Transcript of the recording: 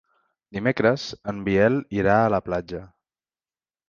Dimecres en Biel irà a la platja.